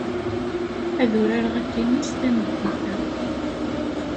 Ad urareɣ atennis tameddit-a.